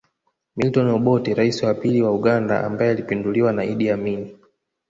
Milton Obote Rais wa pili wa Uganda ambaye alipinduliwa na Idi Amin